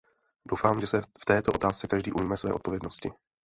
Doufám, že se v této otázce každý ujme své odpovědnosti.